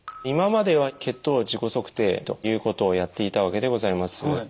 今までは血糖自己測定ということをやっていたわけでございます。